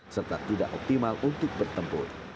serta tidak optimal untuk bertempur